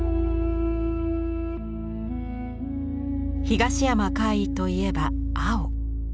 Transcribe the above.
東山魁夷といえば青。